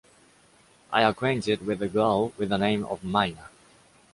I acquainted with a girl with the name of Mayna.